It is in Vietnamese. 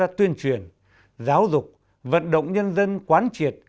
đưa ra tuyên truyền giáo dục vận động nhân dân quán triệt